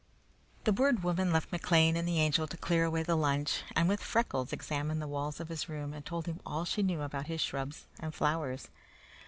The Bird Woman left McLean and the Angel to clear away the lunch, and with Freckles examined the walls of his room and told him all she knew about his shrubs and flowers.